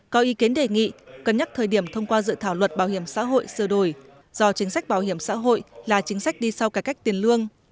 có ý kiến đề nghị cân nhắc thời điểm thông qua dự thảo luật bảo hiểm xã hội sửa đổi do chính sách bảo hiểm xã hội là chính sách đi sau cải cách tiền lương